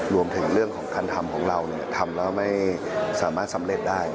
รวมถึงเรื่องของการทำของเราทำแล้วไม่สามารถสำเร็จได้